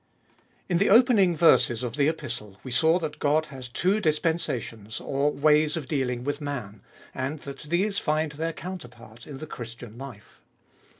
IN the opening verses of the Epistle we saw that God has two dispensations, or ways of dealing with man, and that these find their counterpart in the Christian life.